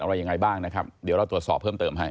อะไรยังไงบ้างนะครับเดี๋ยวเราตรวจสอบเพิ่มเติมให้